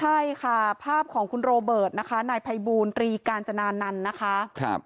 ใช่ค่ะภาพของคุณโรเบิร์ตนะคะนายภัยบูรตรีกาญจนานันต์นะคะ